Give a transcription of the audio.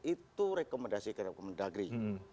itu rekomendasi kemendagri